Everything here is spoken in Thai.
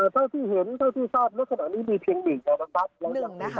ต้องที่เห็นต้องที่ทราบว่าแบบนี้มีเคล็งนิดหน่อย